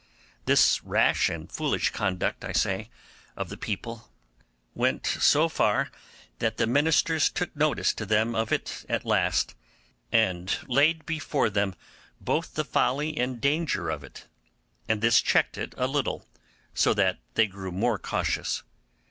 This rash and foolish conduct, I say, of the people went so far that the ministers took notice to them of it at last, and laid before them both the folly and danger of it; and this checked it a little, so that they grew more cautious.